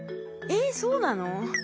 えそうなの？